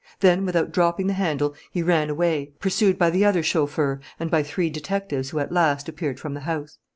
Then, without dropping the handle, he ran away, pursued by the other chauffeur and by three detectives who at last appeared from the house.